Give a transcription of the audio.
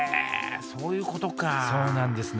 そういうことかそうなんですね